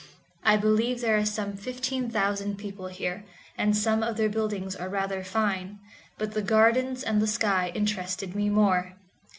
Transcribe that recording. I believe there are some fifteen thousand people here, and some of their buildings are rather fine, but the gardens and the sky interested me more.